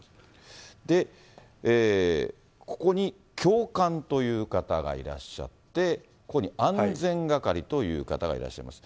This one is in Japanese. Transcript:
で、ここに教官という方がいらっしゃって、ここに安全係という方がいらっしゃいます。